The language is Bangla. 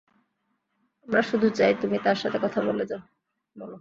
আমরা শুধু চাই তুমি তার সাথে কথা বলো।